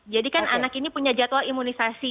jadi kan anak ini punya jadwal imunisasi